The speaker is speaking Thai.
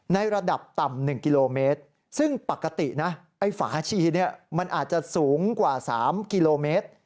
ในระดับต่ำ๑กิโลเมตรซึ่งปกติฝาชีมันอาจจะสูงกว่า๓กิโลเมตร